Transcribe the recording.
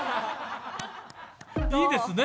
いいですね！